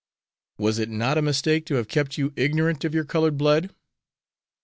"Was it not a mistake to have kept you ignorant of your colored blood?"